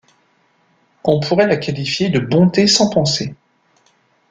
On pourrait la qualifier de bonté sans pensée.